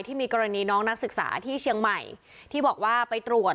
ที่มีกรณีน้องนักศึกษาที่เชียงใหม่ที่บอกว่าไปตรวจ